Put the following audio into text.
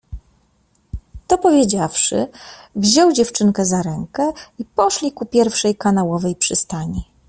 To powiedziawszy wziął dziewczynkę za ręke i poszli ku pierwszej kanałowej przystani.